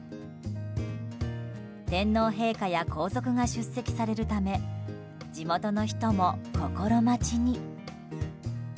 天皇陛下や皇族が出席されるため地元の人も心待ちに。